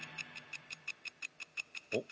おっ。